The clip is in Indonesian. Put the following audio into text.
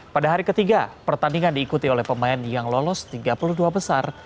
pada hari ketiga pertandingan diikuti oleh pemain yang lolos tiga puluh dua besar